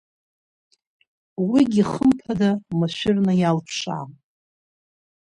Уигьы, хымԥада, машәырны иалԥшаам.